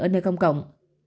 ở nơi công cộng